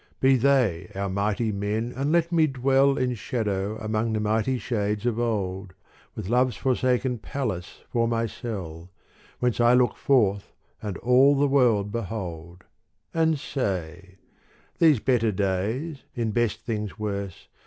Be they our mighty men and let me dwell In shadow among the mighty shades of old, With love's forsaken palace for my cell : Whence I look forth and all the world behold : And say, — These better days, in best things worse.